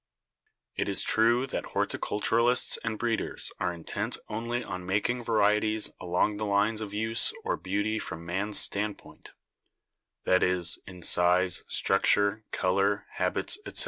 It is true that horticulturists and breeders are intent only on making varieties along the lines of use or beauty from man's standpoint — that is, in size, structure, color, habits, etc.